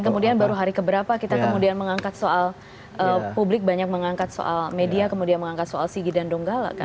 dan kemudian baru hari keberapa kita kemudian mengangkat soal publik banyak mengangkat soal media kemudian mengangkat soal sigi dan donggala kan